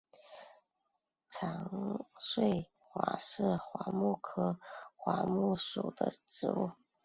长穗桦是桦木科桦木属的植物。